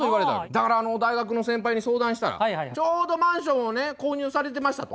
だから大学の先輩に相談したらちょうどマンションをね購入されてましたと。